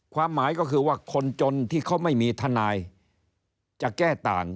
ความหมายก็คือว่าคนจนที่เขาไม่มีทนายจะแก้ต่าง